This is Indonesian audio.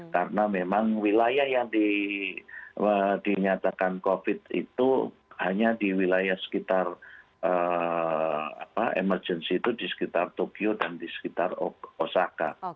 karena memang wilayah yang dinyatakan covid itu hanya di wilayah sekitar emergensi itu di sekitar tokyo dan di sekitar osaka